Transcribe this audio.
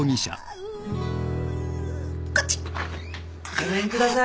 ・・ごめんください。